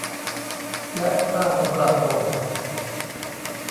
และผ้าสำหรับห่ม